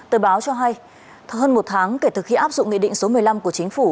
tờ báo cho hay hơn một tháng kể từ khi áp dụng nghị định số một mươi năm của chính phủ